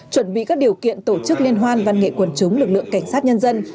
chuẩn bị các điều kiện tổ chức liên hoan văn nghệ quần chúng lực lượng cảnh sát nhân dân